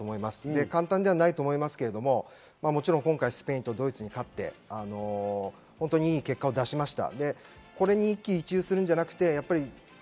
下簡単ではないと思いますけれども、今回、スペインとドイツに勝って、いい結果を出しました。